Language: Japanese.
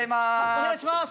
お願いします